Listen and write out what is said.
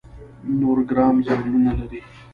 نورګرام ځنګلونه لري؟